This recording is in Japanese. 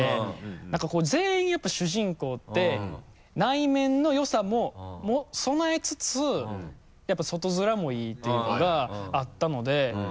なんかこう全員やっぱ主人公って内面の良さも備えつつやっぱ外づらもいいっていうのがあったので。